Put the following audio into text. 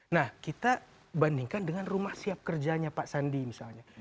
nah kita bandingkan dengan rumah siap kerjanya pak sandi misalnya